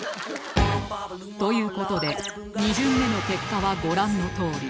という事で２巡目の結果はご覧のとおり